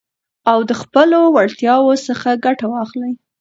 او د خپلو وړتياوو څخه ګټه واخلٸ.